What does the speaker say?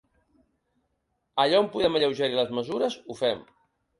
Allà on podem alleugerir les mesures, ho fem.